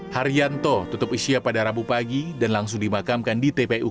haryanto tutup isya pada rabu pagi dan langsung dimakamkan di tpu pondok lapa